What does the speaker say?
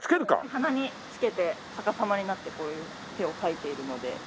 鼻につけて逆さまになってこういう手をかいているので。